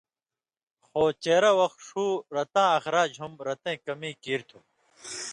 خو چېرہ وخ ݜو رَتاں اخراج ہُم رَتَیں کمی کیریۡ تھو۔